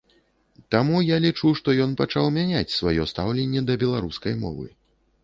Таму я лічу, што ён пачаў мяняць сваё стаўленне да беларускай мовы.